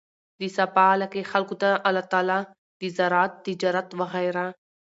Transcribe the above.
د سبا علاقې خلکو ته الله تعالی د زراعت، تجارت وغيره